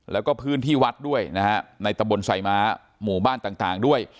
แล้วก็พื้นที่วัดด้วยนะฮะในตะบนไซม้าหมู่บ้านต่างด้วย